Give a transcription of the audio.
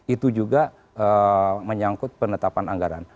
itu juga menyangkut penetapan anggaran